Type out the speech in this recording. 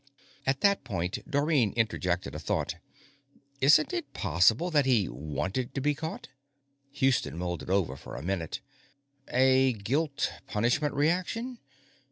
At that point, Dorrine interjected a thought: Isn't it possible that he wanted to be caught? Houston mulled it over for a minute. _A guilt punishment reaction?